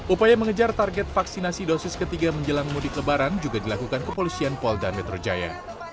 upaya mengejar target vaksinasi dosis ketiga menjelang mudik lebaran juga dilakukan kepolisian polda metro jaya